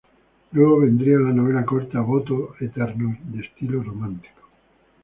Luego vendría la novela corta "Votos eternos" de estilo romántico.